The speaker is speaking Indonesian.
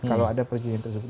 kalau ada perjanjian tersebut